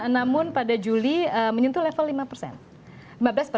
namun pada juli menyentuh level lima persen